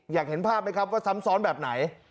อยากเห็นภาพไหมครับว่าซ้ำซ้อนแบบไหน